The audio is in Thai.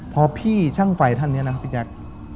พอพี่ช่างไฟท่านนี้นะครับพี่แจ๊ค